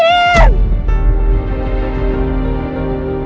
ini gak ada